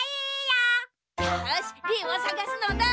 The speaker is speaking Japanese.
よしリンをさがすのだ！